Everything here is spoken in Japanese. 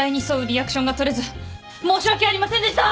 リアクションが取れず申し訳ありませんでした！